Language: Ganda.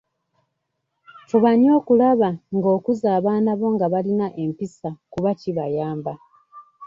Fuba nnyo okulaba nga okuza abaana bo nga balina empisa kuba kibayamba.